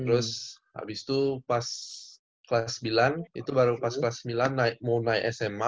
terus habis itu pas kelas sembilan itu baru pas kelas sembilan mau naik sma